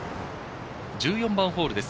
１４番ホールです。